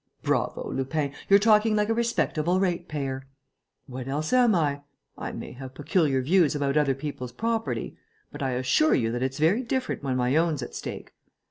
"Bravo, Lupin! you're talking like a respectable ratepayer!" "What else am I? I may have peculiar views about other people's property; but I assure you that it's very different when my own's at stake.